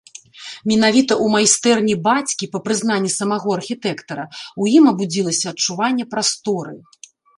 Менавіта ў майстэрні бацькі, па прызнанні самога архітэктара, у ім абудзілася адчуванне прасторы.